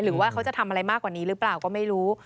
หรือว่าเขาจะทำอะไรมากกว่านี้หรือเปล่าก็ไม่รู้